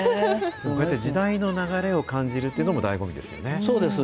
こうやって時代の流れを感じるというのもだいご味ですよね。